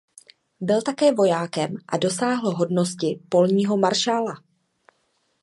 Byl také vojákem a dosáhl hodnosti polního maršála.